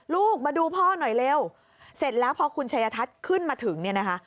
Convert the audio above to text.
ลูกมาดูพ่อหน่อยเร็วเสร็จแล้วพอคุณชัยทัศน์ขึ้นมาถึงเนี่ยนะคะ